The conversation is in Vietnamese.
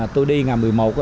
tôi đi ngày một mươi một